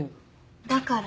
だから？